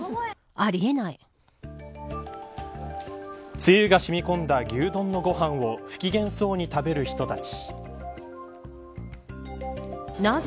つゆがしみこんだ牛丼のご飯を不機嫌そうに食べる人たち。